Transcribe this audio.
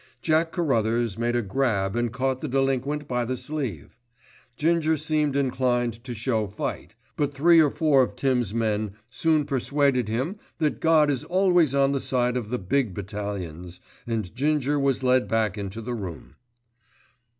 Jack Carruthers made a grab and caught the delinquent by the sleeve. Ginger seemed inclined to show fight; but three or four of Tim's men soon persuaded his that God is always on the side of the big battalions, and Ginger was led back into the room.